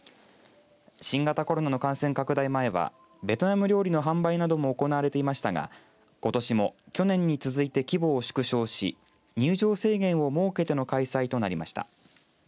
新型コロナの感染拡大前はベトナム料理の販売なども行われていましたがことしも去年に続いて規模を縮小し入場制限を設けての開催となりました。